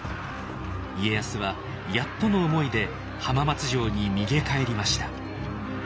家康はやっとの思いで浜松城に逃げ帰りました。